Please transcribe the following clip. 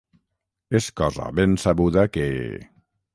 És cosa ben sabuda que...